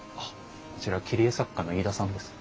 こちら切り絵作家の飯田さんです。